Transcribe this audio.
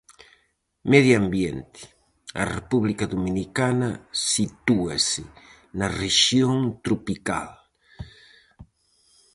Medio ambiente. A República Dominicana sitúase na rexión tropical.